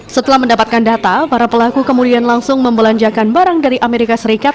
setelah mendapatkan data para pelaku kemudian langsung membelanjakan barang dari amerika serikat